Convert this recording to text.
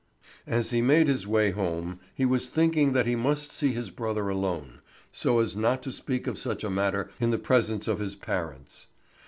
As he made his way home he was thinking that he must see his brother alone, so as not to speak of such a matter in the presence of his parents.